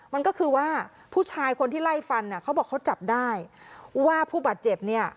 มันก็คือว่าผู้ชายคนที่ไล่ฟันอ่ะเขาบอกเขาจับได้ว่าผู้บาดเจ็บเนี่ย